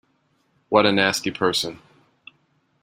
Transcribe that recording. What a nasty person!